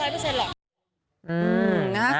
ทำงานยังไม่ได้๑๐๐หรอก